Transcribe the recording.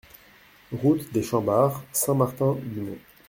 Route des Chambards, Saint-Martin-du-Mont